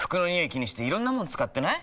気にしていろんなもの使ってない？